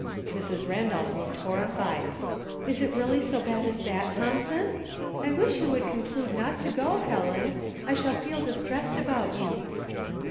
Mrs. Randolph looked horrified. " Is it really so bad as that, Thomson ? I wish you would conclude not to go, Helen. I shall feel distressed about you.'